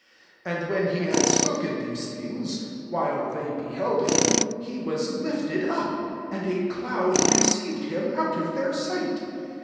'' 9 And when he had spoken these things, while they beheld him, he was lifted up ; and a cloud received him out of their sight.